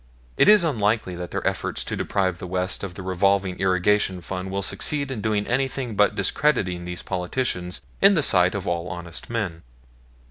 It is unlikely that their efforts to deprive the West of the revolving Irrigation fund will succeed in doing anything but discrediting these politicians in the sight of all honest men.